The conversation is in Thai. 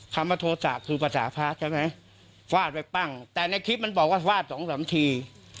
คำว่าโทษะคือภาษาพระใช่ไหมฟาดไปปั้งแต่ในคลิปมันบอกว่าฟาดสองสามที